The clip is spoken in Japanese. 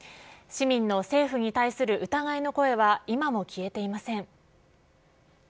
市民の政府に対する疑いの声は今も消えていません。